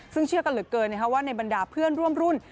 ซึ่งเชื่อกันเหลือเกินว่าในบรรดาเพื่อนร่วมรุ่น